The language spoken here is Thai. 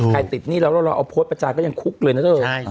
ใครติดหนี้เราเอาโพสต์ประจานก็ยังคุกเลยนะเถอะ